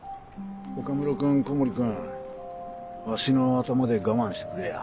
岡室君小森君わしの頭で我慢してくれや。